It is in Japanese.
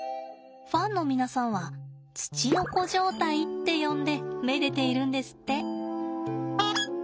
ファンの皆さんはツチノコ状態って呼んでめでているんですって。